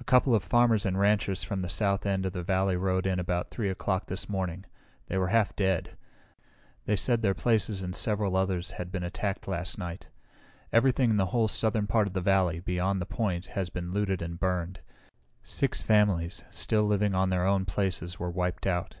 "A couple of farmers and ranchers from the south end of the valley rode in about 3 o'clock this morning. They were half dead. They said their places and several others had been attacked last night. Everything in the whole southern part of the valley, beyond the point, has been looted and burned. Six families, still living on their own places were wiped out."